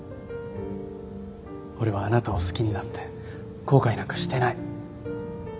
俺はあなたを好きになって後悔なんかしてない。